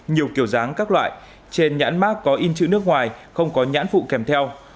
nhiều kiểu dáng các loại trên nhãn mát có in chữ nước ngoài không có nhãn phụ kèm theo